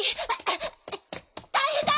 大変だ！